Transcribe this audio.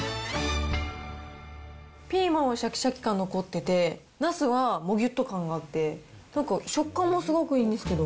ピーマンはしゃきしゃき感が残ってて、ナスはもぎゅっと感があって、なんか食感もすごくいいんですけど。